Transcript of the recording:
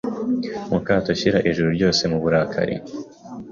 mu kato Shyira Ijuru ryose mu burakari